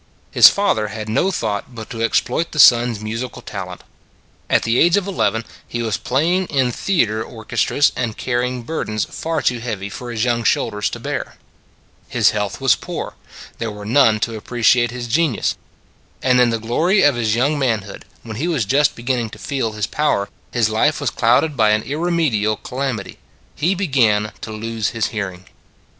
His father had no thought but to ex ploit the son s musical talent. At the age of eleven he was playing in theater or 107 io8 It s a Good Old World chestras and carrying burdens far too heavy for his young shoulders to bear. His health was poor: there were none to appreciate his genius: and in the glory of his young manhood, when he was just beginning to feel his power, his life was clouded by an irremediable calamity. He began to lose his hearing.